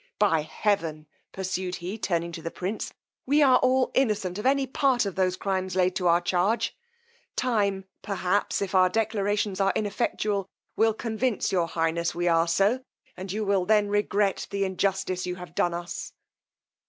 By heaven, pursued he, turning to the prince, we all are innocent of any part of those crimes laid to our charge: time, perhaps, if our declarations are ineffectual, will convince your highness we are so, and you will then regret the injustice you have done us.